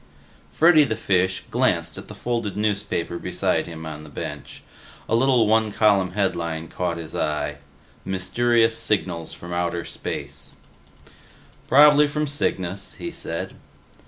Freddy the Fish glanced at the folded newspaper beside him on the bench. A little one column headline caught his eye: MYSTERIOUS SIGNALS FROM OUTER SPACE "Probably from Cygnus," he said.